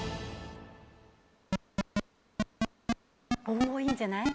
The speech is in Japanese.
おおいいんじゃない？